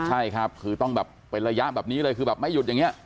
ใช่ครับคือต้องแบบเป็นระยะแบบนี้เลยคือแบบไม่หยุดอย่างนี้